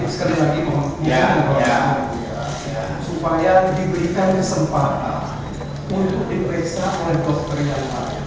sekali lagi mohon supaya diberikan kesempatan untuk diperiksa oleh dokter iwanis